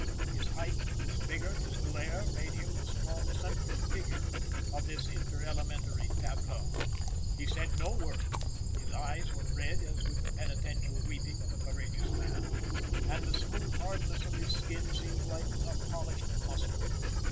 His height, his vigor, his glare made him the strong central figure of this interelementary tableaux. He said no word; his eyes were red as with the penitential weeping of a courageous man, and the smooth hardness of his skin seemed like a polished muscle.